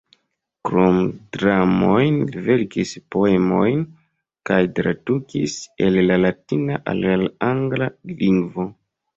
Krom dramojn li verkis poemojn kaj tradukis el la latina al la angla lingvo.